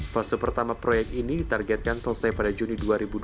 fase pertama proyek ini ditargetkan selesai pada juni dua ribu dua puluh